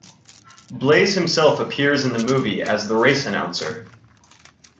Blase himself appears in the movie as the race announcer.